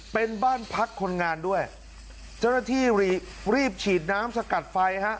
เป็นบ้านพักคนงานด้วยเจ้าหน้าที่รีบฉีดน้ำสกัดไฟฮะ